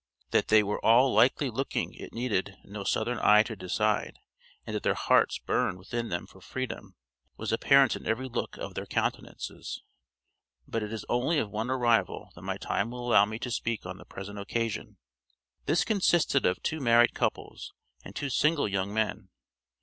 That they were all likely looking it needed no southern eye to decide, and that their hearts burned within them for freedom was apparent in every look of their countenances. But it is only of one arrival that my time will allow me to speak on the present occasion. This consisted of two married couples, and two single young men.